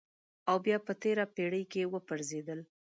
او بیا په تېره پېړۍ کې وپرځېدل.